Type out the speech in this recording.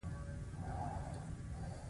نظام او حکومت د ریاست دوه بېلابېلې اډانې دي.